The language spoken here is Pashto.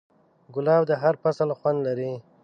ګلاب د هر فصل خوند لري.